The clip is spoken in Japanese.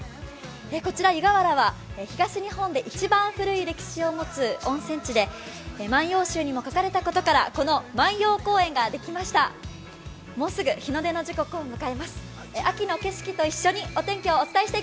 こちら湯河原は東日本で一番古い歴史を持つ温泉地で、万葉集にも書かれたことからこの万葉公園ができました。